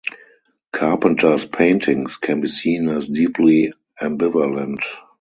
Carpenter's paintings can be seen as deeply ambivalent.